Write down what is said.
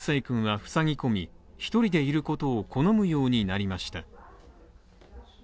アレクセイくんはふさぎ込み、１人でいることを好むようになりました。